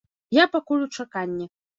Я пакуль у чаканні.